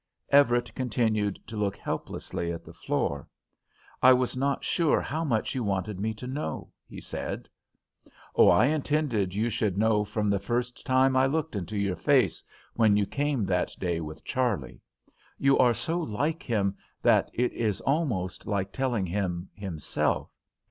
Everett continued to look helplessly at the floor. "I was not sure how much you wanted me to know," he said. "Oh, I intended you should know from the first time I looked into your face, when you came that day with Charley. You are so like him, that it is almost like telling him himself.